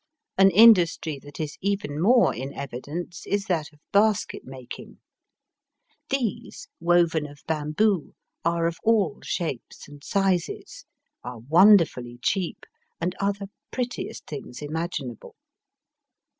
An industry that is even more in evidence is that of basket making. These, woven of bam boo, are of all shapes and sizes, are wonderfully cheap, and are the prettiest things imaginable.